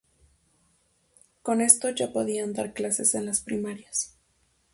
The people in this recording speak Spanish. Con esto ya podían dar clases en las primarias.